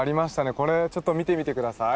これちょっと見てみて下さい。